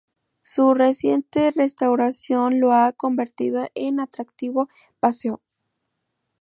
Su reciente restauración lo ha convertido en atractivo paseo.